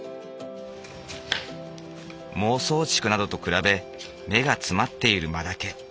孟宗竹などと比べ目が詰まっている真竹。